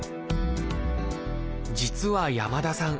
実は山田さん